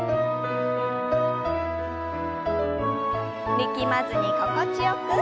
力まずに心地よく。